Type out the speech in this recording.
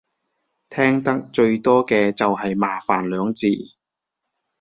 聽得最多嘅就係麻煩兩字